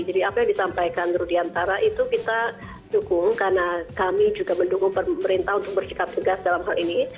jadi apa yang disampaikan menurut diantara itu kita dukung karena kami juga mendukung pemerintah untuk berjegat jegat dalam hal ini